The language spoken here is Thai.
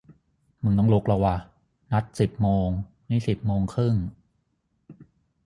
มึงต้องลุกแล้วว่ะ นัดสิบโมง นี่สิบโมงครึ่ง